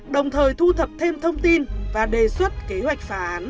đồng thời thu thập thêm thông tin và đề xuất kế hoạch